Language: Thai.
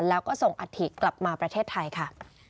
แล้วก็ส่งอัฐิกลับมาประเทศไทยค่ะ